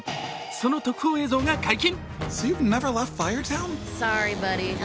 その特報映像が解禁。